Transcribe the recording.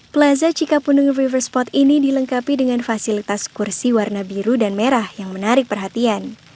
plaza cikapundung river spot ini dilengkapi dengan fasilitas kursi warna biru dan merah yang menarik perhatian